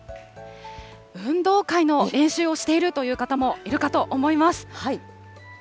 運動会の練習をしているという方もいるかと思います。